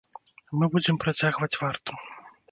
Мы будзем працягваць варту.